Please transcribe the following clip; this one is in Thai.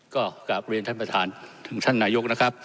ก็กลับเรียนท่านประธานถึงท่านนายกนะครับ